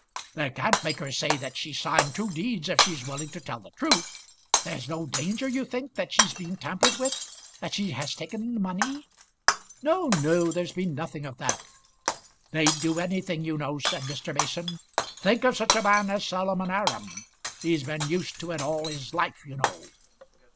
"They can't make her say that she signed two deeds if she is willing to tell the truth. There's no danger, you think, that she's been tampered with, that she has taken money." "No, no; there's been nothing of that." "They'd do anything, you know," said Mr. Mason. "Think of such a man as Solomon Aram! He's been used to it all his life, you know."